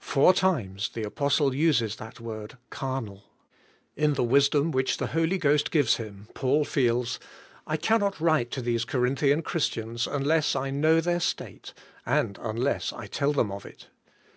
Four times the apostle uses that word carnal. In the wisdom wbich the Holy Ghost gives him, Paul feels: — I ci^n not write to these Corinthian Christians unless I know their state, and unless I tell them of it.